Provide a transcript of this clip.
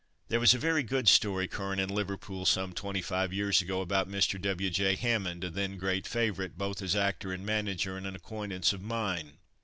There was a very good story current in Liverpool, some twenty five years ago, about Mr. W. J. Hammond, a then great favourite, both as actor and manager, and an acquaintance of mine.